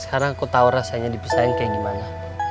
sekarang aku tau rasanya dipisahin kayak gimana